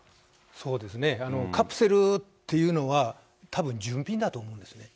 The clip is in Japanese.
そうですね、カプセルっていうのは、たぶんじゅんぴんだと思うんですね。